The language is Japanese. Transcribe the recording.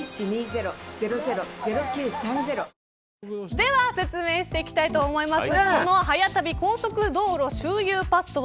では説明していきたいと思います。